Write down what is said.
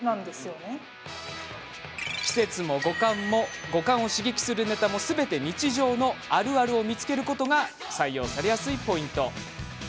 季節も五感を刺激するネタもすべて、日常のあるあるを見つけることが採用されやすいポイント。